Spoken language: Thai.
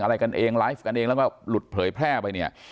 อะไรกันเองไลฟ์กันเองแล้วก็หลุดเผยแพร่ไปเนี่ย